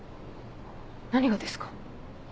何がですか？